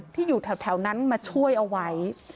ที่อยู่แถวนั้นมาช่วยเอาไว้